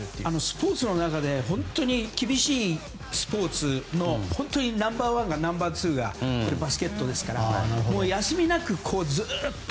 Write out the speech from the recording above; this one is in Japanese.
スポーツの中で厳しいスポーツの本当にナンバー１かナンバー２がバスケットですから休みなく、ずっと